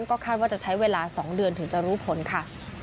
ก็คาดว่าจะใช้เวลา๒เดือนถึงจะรู้ผลค่ะ